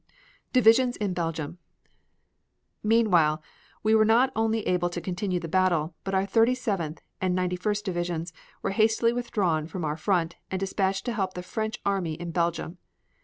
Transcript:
DIVISIONS IN BELGIUM Meanwhile we were not only able to continue the battle, but our Thirty seventh and Ninety first divisions were hastily withdrawn from our front and dispatched to help the French army in Belgium.